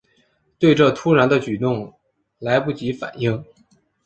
对这突然的举动来不及反应